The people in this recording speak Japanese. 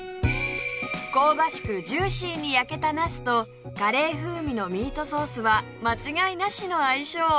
香ばしくジューシーに焼けたなすとカレー風味のミートソースは間違いなしの相性